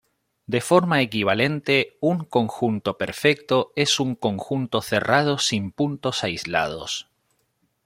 De forma equivalente, un conjunto perfecto es un conjunto cerrado sin puntos aislados.